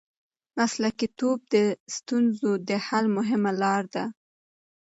مسلکیتوب د ستونزو د حل مهمه لار ده.